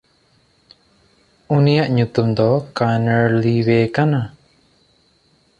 ᱩᱱᱤᱭᱟᱜ ᱧᱩᱛᱩᱢ ᱫᱚ ᱠᱮᱱᱲᱞᱤᱣᱮ ᱠᱟᱱᱟ᱾